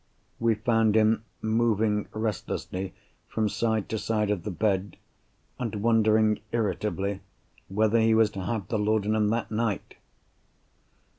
We found him moving restlessly from side to side of the bed, and wondering irritably whether he was to have the laudanum that night.